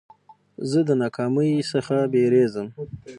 زه د ناکامۍ څخه بېرېږم.